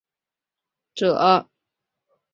君主可为独裁者。